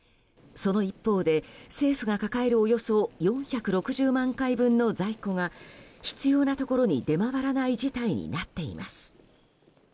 その一方で政府が抱えるおよそ４６０万回分の在庫が必要なところに出回らない事態になっています。